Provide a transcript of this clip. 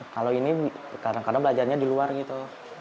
kalau ini kadang kadang belajarnya di luar gitu